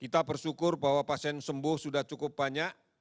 kita bersyukur bahwa pasien sembuh sudah cukup banyak